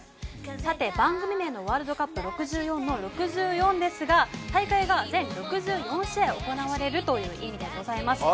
番組名の「ワールドカップ６４」の６４ですが大会が全６４試合行われるという意味でございます。